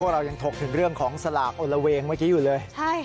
เรายังถกถึงเรื่องของสลากโอละเวงเมื่อกี้อยู่เลย